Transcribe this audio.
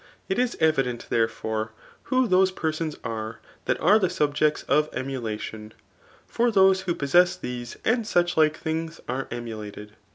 It is evident, therefore, who those persons are that are die subjects of emulation ; for those who possess these and such like things are emulated.